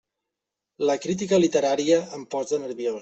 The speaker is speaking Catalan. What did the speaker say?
La crítica literària em posa nerviós!